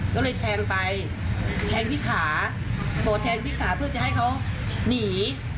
ก็เลยแทงไปแทงที่ขาโดดแทงที่ขาเพื่อจะให้เขาหนี